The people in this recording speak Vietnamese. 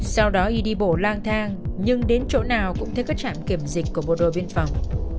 sau đó y đi bộ lang thang nhưng đến chỗ nào cũng thấy các trạm kiểm dịch của bộ đội biên phòng